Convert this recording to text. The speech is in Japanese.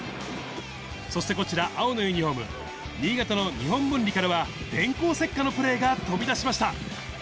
そしてこちら、青のユニホーム、新潟の日本文理からは、電光石火のプレーが飛び出しました。